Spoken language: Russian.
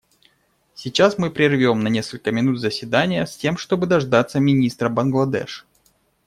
Сейчас мы прервем на несколько минут заседание, с тем чтобы дождаться министра Бангладеш.